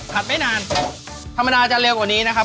ไม่นานธรรมดาจะเร็วกว่านี้นะครับ